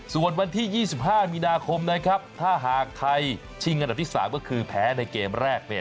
ส่วนวันที่๒๕มีนาคมนะครับถ้าหากไทยชิงอันดับที่๓ก็คือแพ้ในเกมแรก